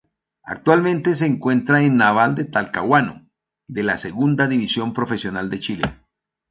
Actualmente se encuentra en Naval de Talcahuano de la Segunda División Profesional de Chile.